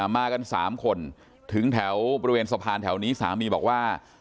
มากัน๓คนถึงแถวบริเวณสะพานแถวนี้สามีบอกว่า